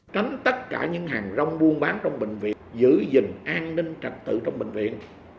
tránh tất cả những hàng rong buôn bán trong bệnh viện giữ gìn an ninh trật tự trong bệnh viện